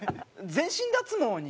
全身脱毛に。